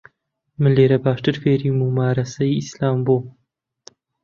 من لێرە باشتر فێری مومارەسەی ئیسلام بووم.